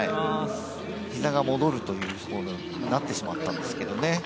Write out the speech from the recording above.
膝が戻るということになってしまったんですけどね。